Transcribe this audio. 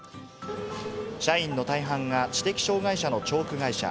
社員の大半が知的障がい者のチョーク会社。